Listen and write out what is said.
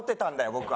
僕は。